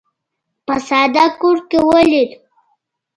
په ساده کور کې ولید.